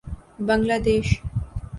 بنگلہ دیش